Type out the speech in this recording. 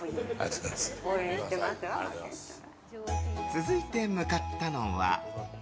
続いて向かったのは。